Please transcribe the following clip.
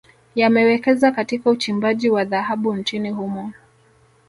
Yamewekeza Katika uchimbaji wa dhahabu nchini humo